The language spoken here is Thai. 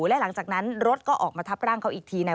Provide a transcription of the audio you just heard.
และหลังจากนั้นรถก็ออกมาทับร่างเขาอีกทีนะ